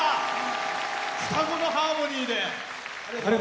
双子のハーモニーで。